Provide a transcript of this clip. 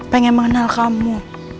pengen mengenal kamu